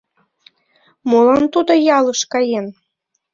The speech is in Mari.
Молан тудо ялыш каен?